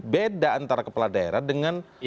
beda antara kepala daerah dengan